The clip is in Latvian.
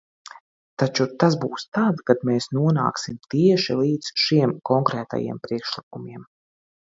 Taču tas būs tad, kad mēs nonāksim tieši līdz šiem konkrētajiem priekšlikumiem.